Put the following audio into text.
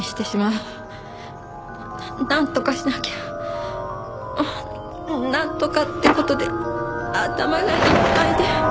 なんとかしなきゃなんとかって事で頭がいっぱいで。